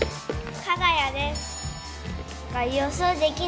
かが屋です。